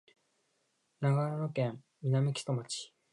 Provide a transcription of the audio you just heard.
長野県南木曽町